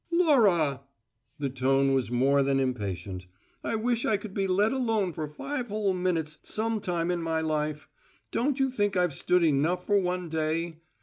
"Laura!" The tone was more than impatient. "I wish I could be let alone for five whole minutes some time in my life! Don't you think I've stood enough for one day?